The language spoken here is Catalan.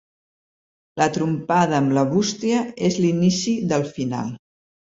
La trompada amb la bústia és l'inici del final.